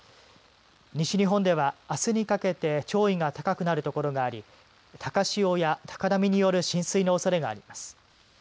西日本ではあすにかけて潮位が高くなるところがあり高潮や高波による浸水のおそれがあります。